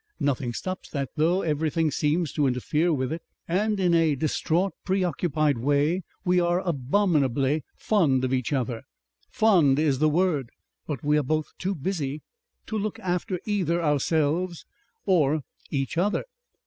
"Nothing stops that though everything seems to interfere with it. And in a distraught, preoccupied way we are abominably fond of each other. 'Fond' is the word. But we are both too busy to look after either ourselves or each other.